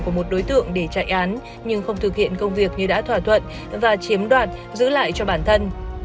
của một đối tượng để chạy án nhưng không thực hiện công việc như đã thỏa thuận và chiếm đoạt giữ lại cho bản thân